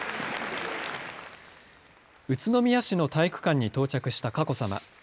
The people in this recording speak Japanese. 宇都宮市の体育館に到着した佳子さま。